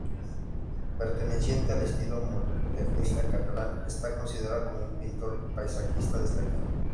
Perteneciente al estilo modernista catalán, está considerado como un pintor paisajista destacado.